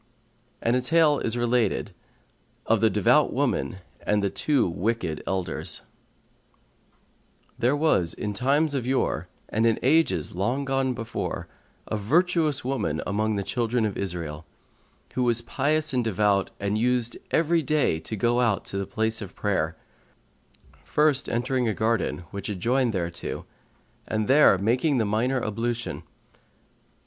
And a tale is related of the THE DEVOUT WOMAN AND THE TWO WICKED ELDERS[FN#138] There was in times of yore and in ages long gone before, a virtuous woman among the children of Israel, who was pious and devout and used every day to go out to the place of prayer, first entering a garden, which adjoined thereto, and there making the minor ablution.